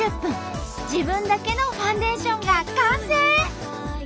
自分だけのファンデーションが完成！